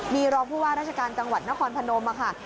มีรองผู้ว่าราชการจังหวัดนครพนมค่ะ